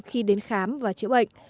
khi đến khám và chữa bệnh